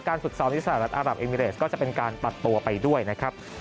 ฝึกซ้อมที่สหรัฐอารับเอมิเรสก็จะเป็นการตัดตัวไปด้วยนะครับ